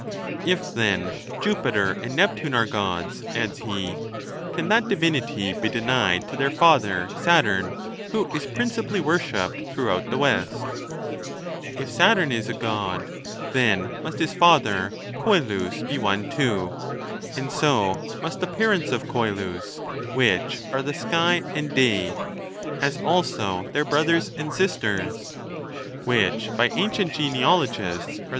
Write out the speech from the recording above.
If, then, Jupiter and Neptune are Gods, adds he, can that divinity be denied to their father Saturn, who is principally wor shipped throughout the West? If Saturn is a God, then must his fathei , Coelus, be one too, and so must the par ents of Coelus, which are the Sky and Day, as also their brothers and sisters, which by ancient genealogists are ' They are said to have been the first workers in iron.